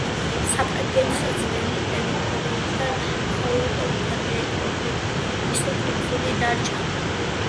საფრანგეთს ძველი ტერიტორიიდან მხოლოდ ბრეტონის კუნძული დარჩა.